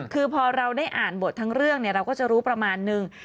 คือพอเราได้อ่านบททั้งเรื่องเราก็จะรู้ประมาณนึง